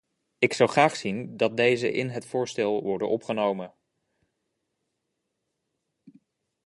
Ik zou graag zien dat deze in het voorstel worden opgenomen.